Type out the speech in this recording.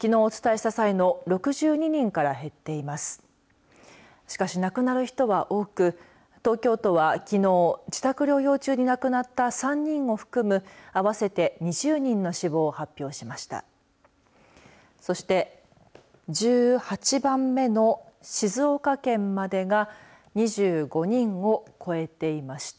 しかし亡くなる人は多く東京都はきのう自宅療養中に亡くなった３人を含む合わせて２０人の死亡を発表しました。